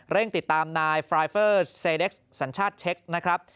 เร่งติดตามนายไฟเฟอร์เซด็กซ์สัญชาติเช็คนะครับ